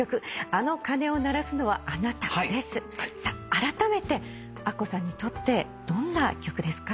あらためてアッコさんにとってどんな曲ですか？